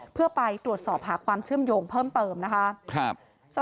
เพื่อไปตรวจสอบหาความเชื่อมโยงเพิ่มเติมนะคะ